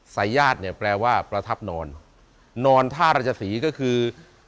ศัลยาสตร์แปลว่าประทับนอนนอนท่ารัชศรีก็คือ